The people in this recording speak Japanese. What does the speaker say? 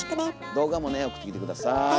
動画もね送ってきて下さい。